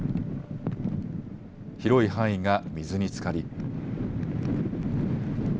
広い範囲が水につかり。